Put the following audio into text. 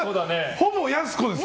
ほぼやす子です。